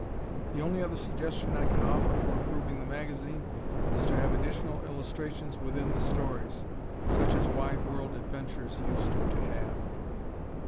The only other suggestion I can offer for improving the magazine is to have additional illustrations within the stories, such as Wide World Adventures used to have.